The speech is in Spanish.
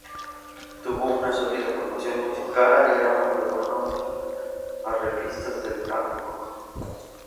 Tuvo una sólida formación musical y era uno de los buenos arreglistas del tango.